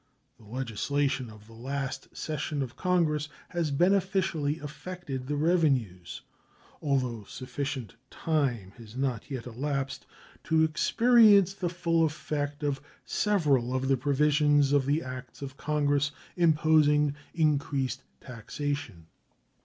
The legislation of the last session of Congress has beneficially affected the revenues, although sufficient time has not yet elapsed to experience the full effect of several of the provisions of the acts of Congress imposing increased taxation.